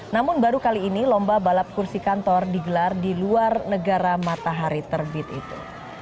namun baru kali ini lomba balap kursi kantor digelar di luar negara matahari terbit itu